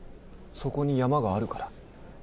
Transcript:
「そこに山があるから」？